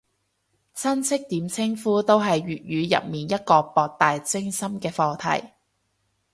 親戚點稱呼都係粵語入面一個博大精深嘅課題